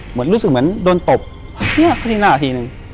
กุมารพายคือเหมือนกับว่าเขาจะมีอิทธิฤทธิ์ที่เยอะกว่ากุมารทองธรรมดา